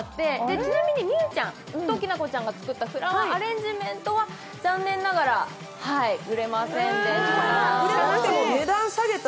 ちなみに美羽ちゃんときなこちゃんが作ったフラワーアレンジメントは残念ながら売れませんでした。